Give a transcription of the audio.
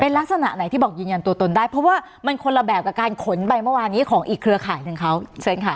ลักษณะไหนที่บอกยืนยันตัวตนได้เพราะว่ามันคนละแบบกับการขนไปเมื่อวานนี้ของอีกเครือข่ายหนึ่งเขาเชิญค่ะ